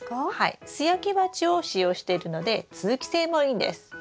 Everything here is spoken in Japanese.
素焼き鉢を使用しているので通気性もいいんです。